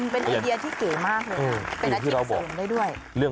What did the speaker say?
เป็นไอเดียที่เก๋มากเลยเป็นอาชีพเสริมได้ด้วย